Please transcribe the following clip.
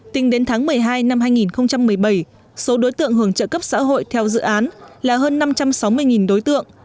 tính đến tháng một mươi hai năm hai nghìn một mươi bảy số đối tượng hưởng trợ cấp xã hội theo dự án là hơn năm trăm sáu mươi đối tượng